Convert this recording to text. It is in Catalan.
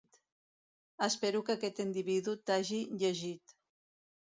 Espero que aquest individu t´hagi llegit.